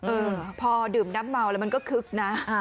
เออพอดื่มน้ำเมาแล้วมันก็คึกนะ